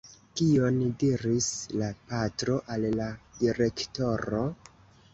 Kion diris la patro al la direktoro?